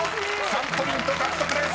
［３ポイント獲得です］